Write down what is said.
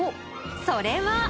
それは？